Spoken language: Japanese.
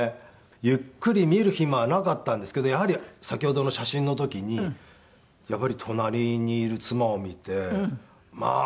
ゆっくり見る暇はなかったんですけどやはり先ほどの写真の時に隣にいる妻を見てまあ